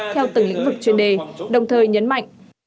theo từng lĩnh vực chuyên đề đồng thời nhấn mạnh